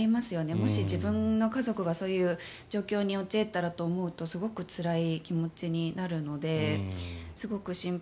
もし、自分の家族がそういう状況に陥ったらと思うとすごくつらい気持ちになるのですごく心配